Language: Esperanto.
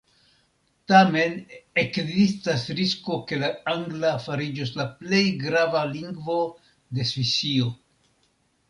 Tamen ekzistas risko, ke la angla fariĝos la plej grava lingvo de Svisio.